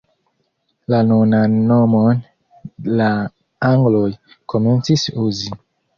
La nunan nomon la angloj komencis uzi.